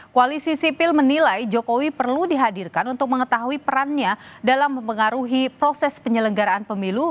koalisi sipil menilai jokowi perlu dihadirkan untuk mengetahui perannya dalam mempengaruhi proses penyelenggaraan pemilu